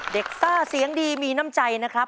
ซ่าเสียงดีมีน้ำใจนะครับ